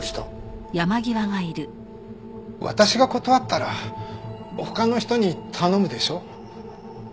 私が断ったら他の人に頼むでしょ。